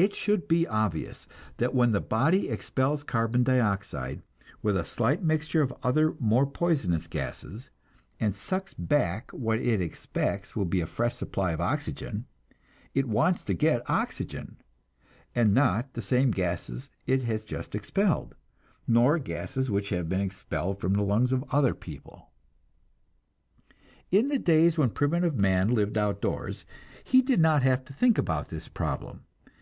It should be obvious that when the body expels carbon dioxide, with a slight mixture of other more poisonous gases, and sucks back what it expects will be a fresh supply of oxygen, it wants to get oxygen, and not the same gases it has just expelled, nor gases which have been expelled from the lungs of other people. In the days when primitive man lived outdoors, he did not have to think about this problem.